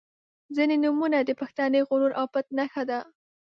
• ځینې نومونه د پښتني غرور او پت نښه ده.